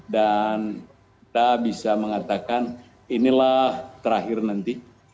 dan kita bisa mengatakan inilah terakhir nanti